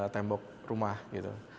tembok rumah gitu